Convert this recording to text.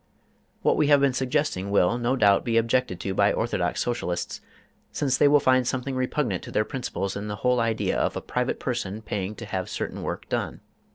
What we have been suggesting will, no doubt, be objected to by orthodox Socialists, since they will find something repugnant to their principles in the whole idea of a private person paying to have certain work done.